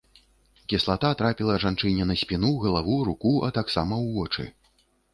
Кіслата трапіла жанчыне на спіну, галаву, руку, а таксама ў вочы.